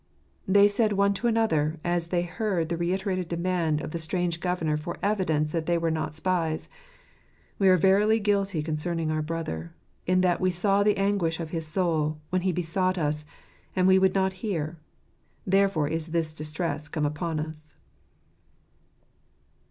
They said one to another, as they heard the reiterated demand of the strange governor for evidence that they were not spies, "We are verily guilty concerning our brother ; in that we saw the anguish of his soul, when he besought us, and we would not hear : therefore is this distress come upon us."